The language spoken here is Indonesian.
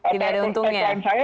tidak ada untungnya